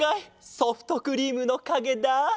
ソフトクリームのかげだ。